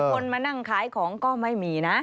คนมานั่งขายของก็ไม่มีนะ